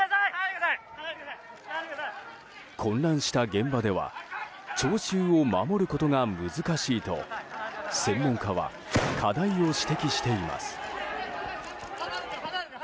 混乱した現場では聴衆を守ることが難しいと専門家は課題を指摘しています。